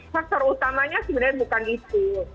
faktor utamanya sebenarnya bukan itu